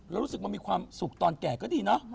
รู้สึกมันมีความสุขตอนแก่ก็ดีนะ